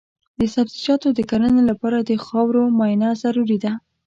د سبزیجاتو د کرنې لپاره د خاورو معاینه ضروري ده.